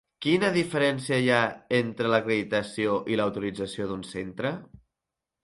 Quina diferència hi ha entre l'acreditació i l'autorització d'un centre?